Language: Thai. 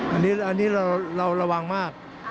อันนี้เราระวังมาก